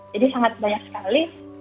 jadi sangat banyak sekali